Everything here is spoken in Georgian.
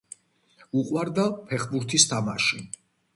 უყვარდა ფეხბურთის თამაში.